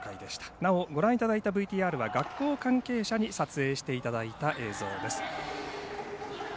なお、ご覧いただいたＶＴＲは学校関係者に撮影していただいた映像です。